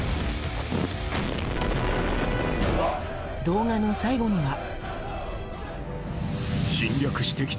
動画の最後には。